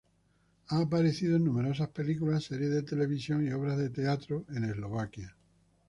Ha aparecido en numerosas películas, series de televisión y obras de teatro en Eslovaquia.